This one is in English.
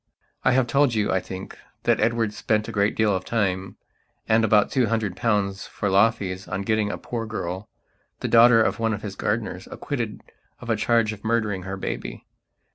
I have told you, I think, that Edward spent a great deal of time, and about two hundred pounds for law fees on getting a poor girl, the daughter of one of his gardeners, acquitted of a charge of murdering her baby.